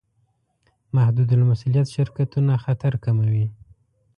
محدودالمسوولیت شرکتونه خطر کموي.